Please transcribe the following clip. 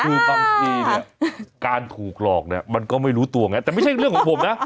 คือบางทีเนี่ยการถูกหลอกเนี่ยมันก็ไม่รู้ตัวไงแต่ไม่ใช่เรื่องของผมนะ